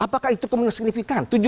maka itu kemungkinan signifikan